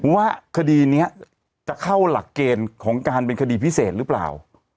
ว่าคดีนี้จะเข้าหลักเกณฑ์ของการเป็นคดีพิเศษหรือเปล่า